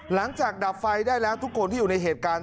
ดับไฟได้แล้วทุกคนที่อยู่ในเหตุการณ์